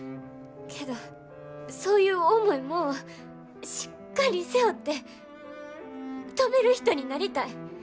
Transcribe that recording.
けどそういう重いもんをしっかり背負って飛べる人になりたい。